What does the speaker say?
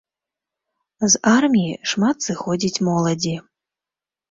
З арміі шмат сыходзіць моладзі.